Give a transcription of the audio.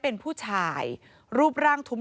แล้วพี่ก็เอาสร้อยมาด้วย